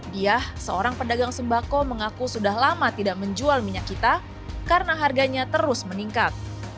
dia seorang pedagang sembako mengaku sudah lama tidak menjual minyak kita karena harganya terus meningkat